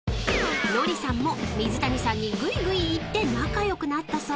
［ノリさんも水谷さんにぐいぐいいって仲良くなったそう］